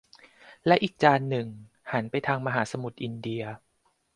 และอีกจานหนึ่งหันไปทางมหาสมุทรอินเดีย